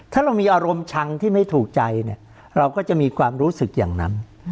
ถ้าเรามีอารมณ์ชังที่ไม่ถูกใจเนี่ยเราก็จะมีความรู้สึกอย่างนั้น